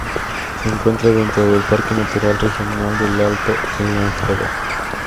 Se encuentra dentro del Parque natural regional del Alto Languedoc.